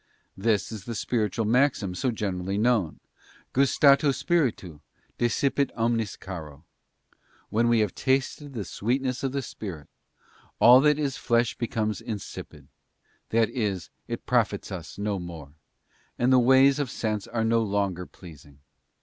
This is the spiritual maxim so generally known: Gustato Spiritu, desipit omnis caro. When we have tasted the sweetness of the Spirit, all that is flesh becomes insipid ; that is, it profits us no more, and the ways of sense are no longer pleasing.